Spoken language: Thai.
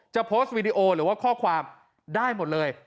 โพสต์วีดีโอหรือว่าข้อความได้หมดเลย